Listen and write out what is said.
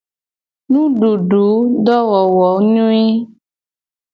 Nudududowowonyoe.